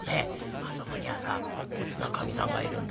あそこにはさおつなかみさんがいるんだよ」。